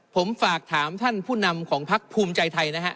ผมฝากถามท่านผู้นำของพักภูมิใจไทยนะฮะ